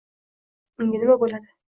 Unda nima bo’ladi?